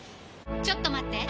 ちょっと待って！